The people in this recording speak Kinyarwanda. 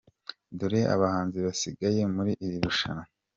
Dore abahanzi basigaye muri iri rushanwa.